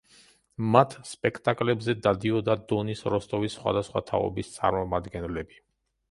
მათ სპექტაკლებზე დადიოდა დონის როსტოვის სხვადასხვა თაობის წარმომადგენლები.